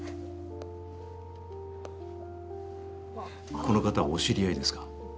この方はお知り合いですか？